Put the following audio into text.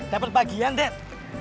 dapet bagian dad